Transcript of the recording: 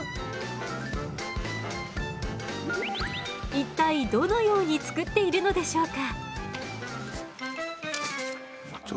一体どのように作っているのでしょうか？